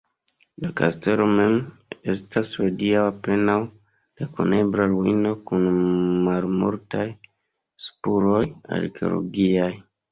La kastelo mem estas hodiaŭ apenaŭ rekonebla ruino kun malmultaj spuroj arkeologiaj.